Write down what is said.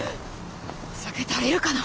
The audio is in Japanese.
お酒足りるかな。